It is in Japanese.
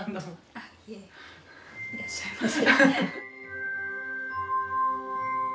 あいえいらっしゃいませ。